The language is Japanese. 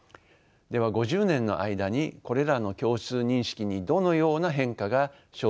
では５０年の間にこれらの共通認識にどのような変化が生じたでしょうか。